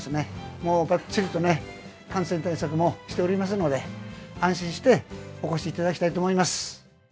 もうばっちりとね、感染対策もしておりますので、安心してお越しいただきたいと思います。